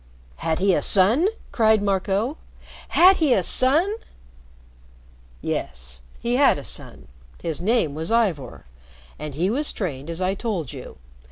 "Had he a son?" cried Marco. "Had he a son?" "Yes. He had a son. His name was Ivor. And he was trained as I told you.